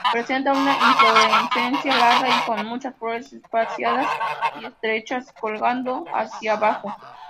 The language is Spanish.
Presenta una inflorescencia larga y con muchas flores espaciadas y estrechas, colgando hacia abajo.